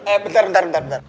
eh bentar bentar bentar